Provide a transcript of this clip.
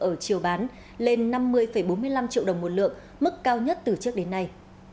ở chiều bán lên năm mươi bốn mươi năm triệu đồng một lượng mức cao nhất từ trước đến nay